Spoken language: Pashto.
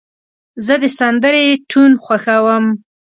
زه د سندرې ټون خوښوم.